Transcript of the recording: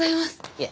いえ。